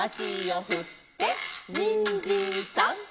「にんじんさん」